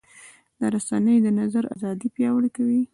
رسنۍ د نظر ازادي پیاوړې کوي.